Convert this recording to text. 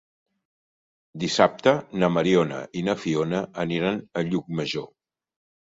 Dissabte na Mariona i na Fiona aniran a Llucmajor.